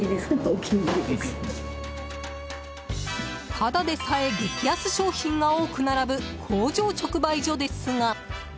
ただでさえ激安商品が多く並ぶ工場直売所ですが。